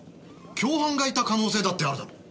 共犯がいた可能性だってあるだろう。